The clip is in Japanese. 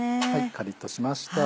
カリっとしました